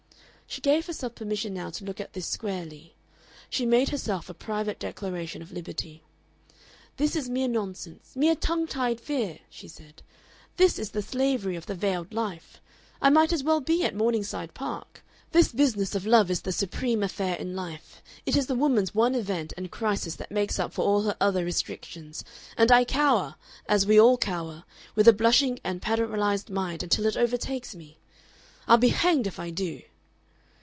She gave herself permission now to look at this squarely. She made herself a private declaration of liberty. "This is mere nonsense, mere tongue tied fear!" she said. "This is the slavery of the veiled life. I might as well be at Morningside Park. This business of love is the supreme affair in life, it is the woman's one event and crisis that makes up for all her other restrictions, and I cower as we all cower with a blushing and paralyzed mind until it overtakes me!... "I'll be hanged if I do."